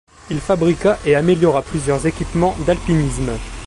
Il fabriqua et améliora plusieurs équipements d'alpinisme.